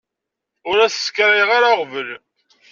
Ur as-skaray ara aɣbel.